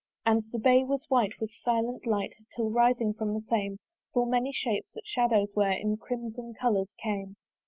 And the bay was white with silent light, Till rising from the same Full many shapes, that shadows were, In crimson colours came.